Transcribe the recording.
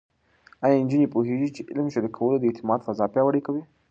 ایا نجونې پوهېږي چې علم شریکول د اعتماد فضا پیاوړې کوي؟